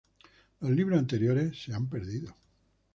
Los libros anteriores, se han perdido.